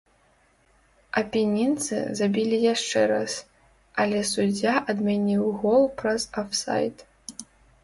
Апенінцы забілі яшчэ раз, але суддзя адмяніў гол праз афсайд.